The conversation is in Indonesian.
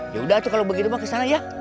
yaudah tuh kalo begini mang kesana ya